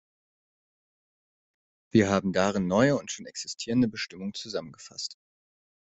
Wir haben darin neue und schon existierende Bestimmungen zusammengefasst.